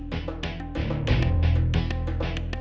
masih pengen denger gaadaasia